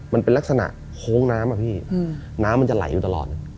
มันเป็นลักษณะโค้งน้ำอะพี่น้ำมันจะไหลอยู่ตลอด